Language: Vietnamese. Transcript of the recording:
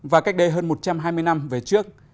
và cách đây hơn một trăm hai mươi năm về trước